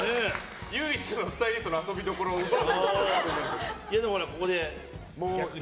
唯一のスタイリストの遊びどころを奪うことに。